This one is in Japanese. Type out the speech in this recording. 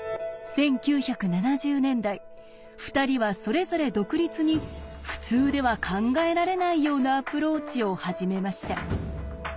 １９７０年代２人はそれぞれ独立に普通では考えられないようなアプローチを始めました。